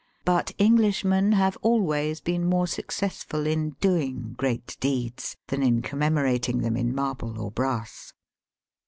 But Englishmen have always been more successful in doing great deeds than in commemorating them in marble or brass.